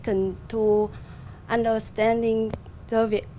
sẽ đưa các bạn một cơ hội để biết